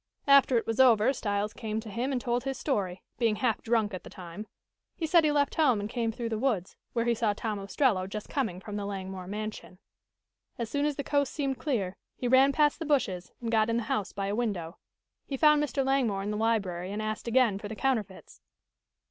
After it was over, Styles came to him and told his story, being half drunk at the time. He said he left home and came through the woods, where he saw Tom Ostrello just coming from the Langmore mansion. As soon as the coast seemed clear, he ran past the bushes and got in the house by a window. He found Mr. Langmore in the library and asked again for the counterfeits.